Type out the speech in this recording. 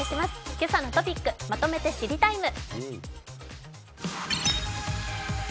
「けさのトピックまとめて知りＴＩＭＥ，」。